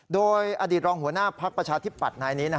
โดยอดีตรองหัวหน้าภักดิ์ประชาธิปัตย์นายนี้